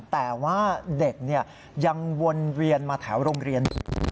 แต่ว่าเด็กยังวนเวียนมาแถวโรงเรียนอยู่